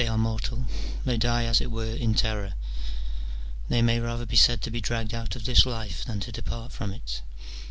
are mortal, they die as it were in terror : they may rather be said to be dragged out of this life than to depart from it.